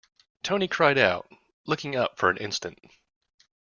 Tony cried out, looking up for an instant.